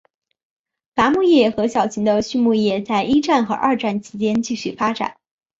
伐木业和小型的畜牧业在一战和二战期间继续发展。